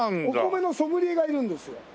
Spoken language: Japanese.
お米のソムリエがいるんですよ。